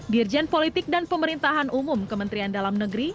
dirjen politik dan pemerintahan umum kementerian dalam negeri